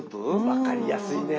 分かりやすいね。